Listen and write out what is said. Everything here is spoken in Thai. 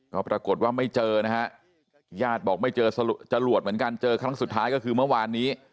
ก็ปรากฏว่าไม่เจอนะฮะญาติบอกไม่เจอจรวดเหมือนกันเจอครั้งสุดท้ายก็คือเมื่อวานนี้